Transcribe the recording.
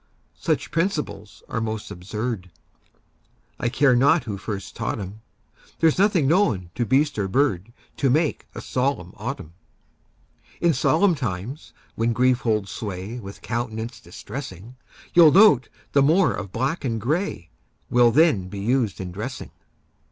Such principles are most absurd, I care not who first taught 'em; There's nothing known to beast or bird To make a solemn autumn. In solemn times, when grief holds sway With countenance distressing, You'll note the more of black and gray Will then be used in dressing.